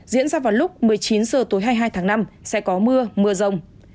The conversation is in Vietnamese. diễn ra vào lúc một mươi chín h tối hai mươi hai tháng năm sẽ có mưa mưa rông